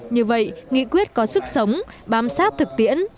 như vậy nghị quyết có sức sống bám sát thực tiễn